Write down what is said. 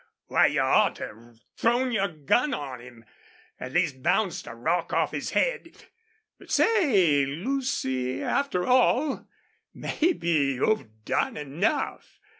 Why, you ought to have thrown your gun on him. At least bounced a rock off his head! But say, Lucy, after all, maybe you've done enough.